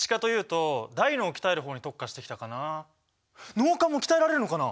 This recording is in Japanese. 脳幹も鍛えられるのかな？